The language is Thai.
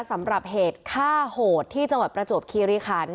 สำหรับเหตุฆ่าโหดที่จังหวัดประจวบคีริคัน